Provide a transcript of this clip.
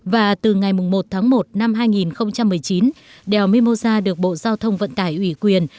và từ ngày một tháng một năm hai nghìn một mươi chín đèo mimosa được bộ giao thông vận tải ủy quyền